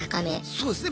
そうですね。